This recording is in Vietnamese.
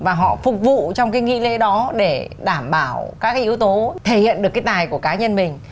và họ phục vụ trong cái nghi lễ đó để đảm bảo các cái yếu tố thể hiện được cái tài của cá nhân mình